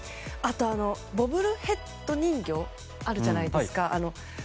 あと、ボブルヘッド人形あるじゃないですか。